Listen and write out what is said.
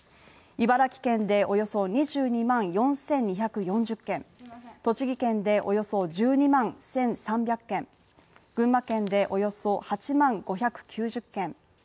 茨城県でおよそ２２万４２４０軒、栃木県でおよそ１２万１３００軒群馬県でおよそ８万５９０軒